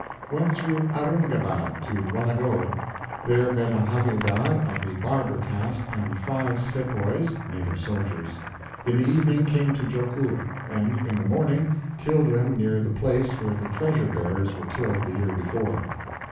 "Went through Aurungabad to Walagow; there met a Havildar of the barber caste and 5 sepoys (native soldiers); in the evening came to Jokur, and in the morning killed them near the place where the treasure bearers were killed the year before.